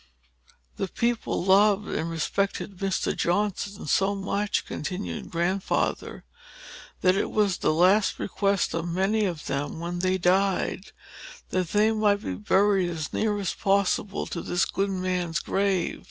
"The people loved and respected Mr. Johnson so much," continued Grandfather, "that it was the last request of many of them, when they died, that they might be buried as near as possible to this good man's grave.